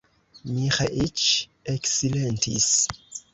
Miĥeiĉ eksilentis.